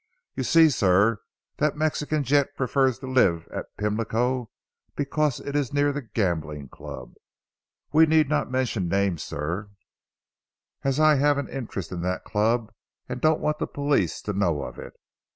"You see sir that Mexican gent prefers to live at Pimlico because it is near the Gambling Club. We need not mention names sir, as I have an interest in that club and don't want the police to know of it.